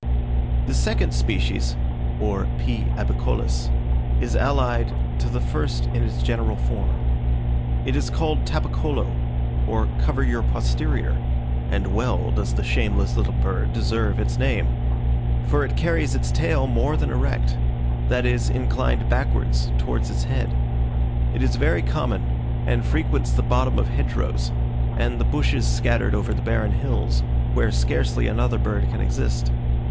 The second species (or P. albicollis) is allied to the first in its general form. It is called Tapacolo, or "cover your posterior;" and well does the shameless little bird deserve its name; for it carries its tail more than erect, that is, inclined backwards towards its head. It is very common, and frequents the bottoms of hedge rows, and the bushes scattered over the barren hills, where scarcely another bird can exist.